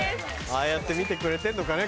ああやって見てくれてんのかね